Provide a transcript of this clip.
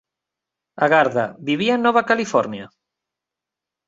Agarda, vivía en Nova California?